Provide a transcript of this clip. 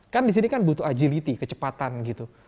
kan di sini kan butuh agility kecepatan gitu